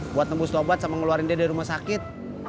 buat tembus obat sama ngeluarin dia dari rumah sakit